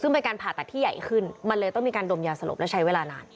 ซึ่งเป็นการผ่าตัดที่ใหญ่ขึ้นมันเลยต้องมีการดมยาสลบและใช้เวลานาน